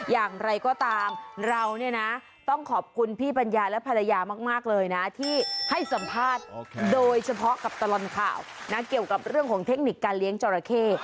อย่างไรก็ตามเราเนี่ยนะต้องขอบคุณพี่ปัญญาและภรรยามากเลยนะที่ให้สัมภาษณ์โดยเฉพาะกับตลอดข่าวนะเกี่ยวกับเรื่องของเทคนิคการเลี้ยงจราเข้